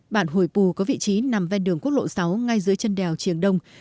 bản hội bù có vị trí nằm ven đường quốc lộ sáu ngay dưới chân đèo triều đông